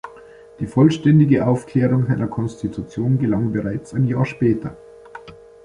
Die vollständige Aufklärung seiner Konstitution gelang bereits ein Jahr später.